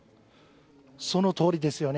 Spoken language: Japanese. そのとおりですよね。